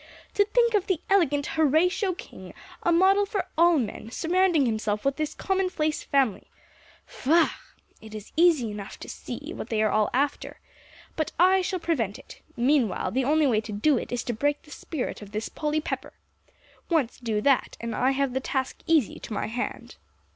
To think of the elegant Horatio King, a model for all men, surrounding himself with this commonplace family. Faugh! It is easy enough to see what they are all after. But I shall prevent it. Meanwhile, the only way to do it is to break the spirit of this Polly Pepper. Once do that, and I have the task easy to my hand."